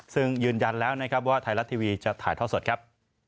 ซึ่งยืนยันแล้วนะครับว่าไทยรัฐทีวีจะถ่ายท่อสดครับ